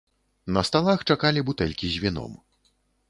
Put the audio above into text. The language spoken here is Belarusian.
На сталах чакалі бутэлькі з віном.